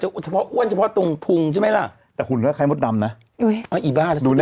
อ้วนแปลว่าตรงผุงใช่ไหมล่ะคุณเข้าถ้าใครมดดำนะอย่าดู